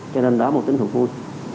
cho nên đó là một tính thuộc vui